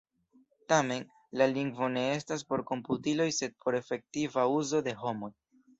Tamen, la lingvo ne estas por komputiloj sed por efektiva uzo de homoj.